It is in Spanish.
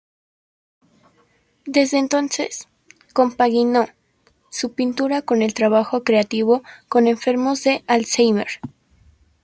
Desde entonces, compaginó su pintura con el trabajo creativo con enfermos de Alzheimer.